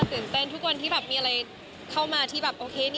ตื่นเต้นทุกวันที่แบบมีอะไรเข้ามาที่แบบโอเค